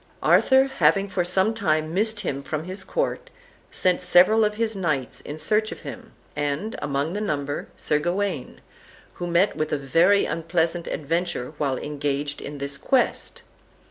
Arthur, having for some time missed him from his court, sent several of his knights in search of him, and, among the number, Sir Gawain, who met with a very unpleasant adventure while engaged in this quest.